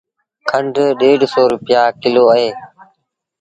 کنڍ ڏيڍ سو رپيآ ڪلو اهي۔